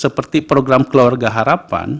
seperti program keluarga harapan